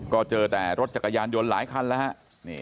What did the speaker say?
ก็เจอแต่รถจักรยานยนต์หลายคันแล้วฮะ